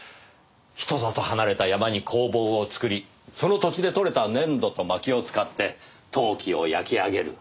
人里離れた山に工房を造りその土地でとれた粘土と薪を使って陶器を焼き上げる。